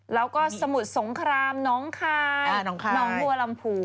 แล้วก็สมุทรสงครามน้องคายน้องบัวลำพู